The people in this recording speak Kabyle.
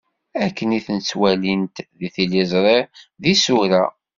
Akken i ten-ttwalint deg tiliẓri d yisura.